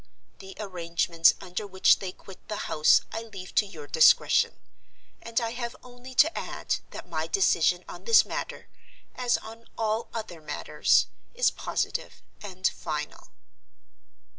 The arrangements under which they quit the house I leave to your discretion; and I have only to add that my decision on this matter, as on all other matters, is positive and final."